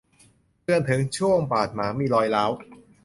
เตือนถึงช่วงบาดหมางมีรอยร้าว